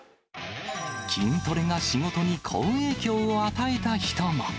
筋トレが仕事に好影響を与えた人も。